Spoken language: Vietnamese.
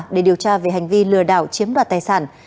để điều tra về hành vi lừa đảo chiếm đoạt tài sản